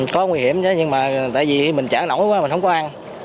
có nguy hiểm chứ nhưng mà tại vì mình trở nổi quá mình không có ăn